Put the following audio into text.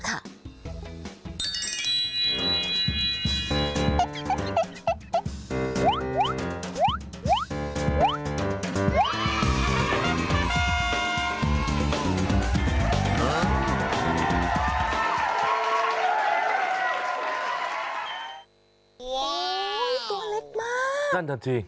โอ๊ยตัวเล็กมากนั่นจังจริง